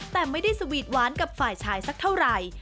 แต่ไม่ได้สวีทหวานกับฝ่ายชายสักเท่าไหร่